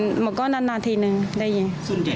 ได้ยินมันก็นานนาทีนึงได้ยิน